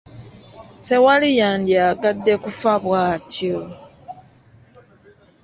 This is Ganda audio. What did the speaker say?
Tewali yandyagadde kufa bw’atyo.